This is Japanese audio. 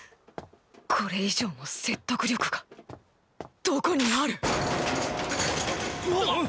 これ以上の説得力がどこにあるああっ！